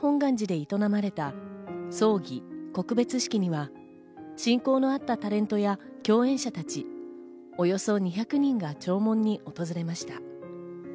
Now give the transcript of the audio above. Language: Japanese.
昨日、東京の築地本願寺で営まれた葬儀・告別式には、親交のあったタレントや共演者たち、およそ２００人が弔問に訪れました。